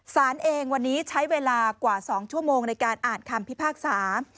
สารเองวันนี้ใช้เวลากว่า๒ชั่วโมงในการอ่านคำพิพากษา